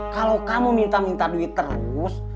kalau kamu minta minta duit terus